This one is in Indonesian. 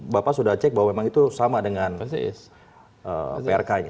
bapak sudah cek bahwa memang itu sama dengan prk nya